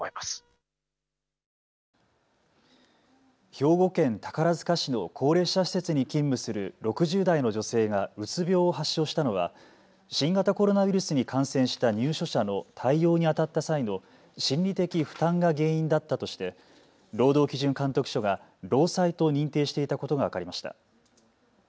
兵庫県宝塚市の高齢者施設に勤務する６０代の女性がうつ病を発症したのは新型コロナウイルスに感染した入所者の対応にあたった際の心理的負担が原因だったとして労働基準監督署が労災と認定していたことが分かりました。